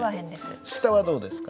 下はどうですか？